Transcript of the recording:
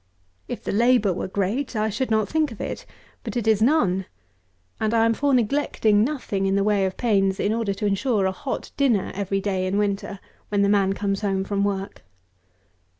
If the labour were great, I should not think of it; but it is none; and I am for neglecting nothing in the way of pains in order to ensure a hot dinner every day in winter, when the man comes home from work.